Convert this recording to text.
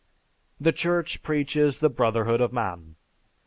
The Church preaches the brotherhood of man.